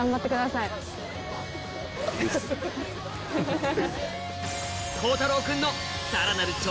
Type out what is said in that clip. ハハハ。